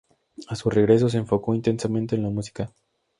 A su regreso se enfocó intensamente en la música.